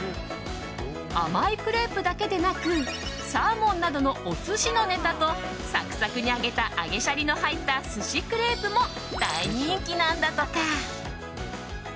甘いクレープだけでなくサーモンなどのお寿司のネタとサクサクに揚げた揚げシャリの入ったｓｕｓｈｉクレープも大人気なんだとか。